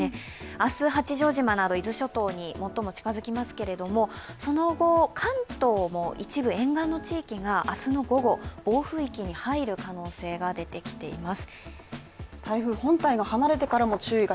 明日八丈島など伊豆諸島に最も近づきますけれども、その後、関東も一部沿岸の地域が、明日の午後、暴風域に入る可能性が出てきています。